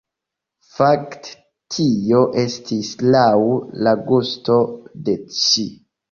Fakte tio estis laŭ la gusto de ŝi.